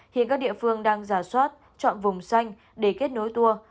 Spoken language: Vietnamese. hiện các địa phương đang giả soát chọn vùng xanh để kết nối tour